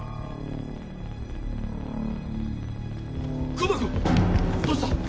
黒田君どうした！？